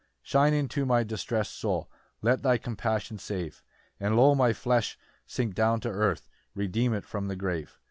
9 "Shine into my distressed soul, "Let thy compassion save; "And tho' my flesh sink down to death, "Redeem it from the grave.